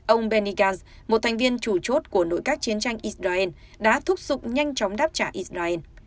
ông benny gantz một thành viên chủ chốt của nội các chiến tranh israel đã thúc giục nhanh chóng đáp trả israel